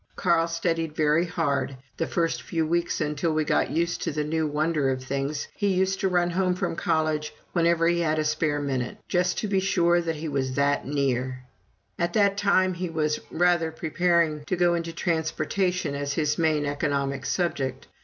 Carl studied very hard. The first few weeks, until we got used to the new wonder of things, he used to run home from college whenever he had a spare minute, just to be sure he was that near. At that time he was rather preparing to go into Transportation as his main economic subject.